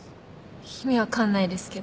意味分かんないですけど。